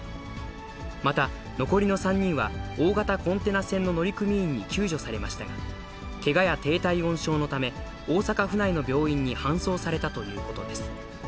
また、残りの３人は、大型コンテナ船の乗組員に救助されましたが、けがや低体温症のため、大阪府内の病院に搬送されたということです。